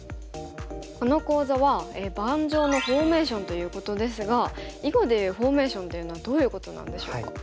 この講座は「盤上のフォーメーション」ということですが囲碁でいうフォーメーションというのはどういうことなんでしょうか？